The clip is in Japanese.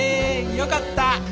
よかった！